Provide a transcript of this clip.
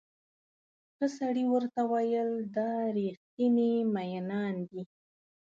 ښه سړي ورته وویل دا ریښتیني مئینان دي.